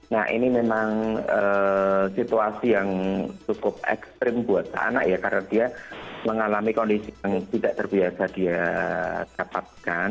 nah ini memang situasi yang cukup ekstrim buat anak ya karena dia mengalami kondisi yang tidak terbiasa dia dapatkan